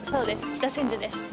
北千住です。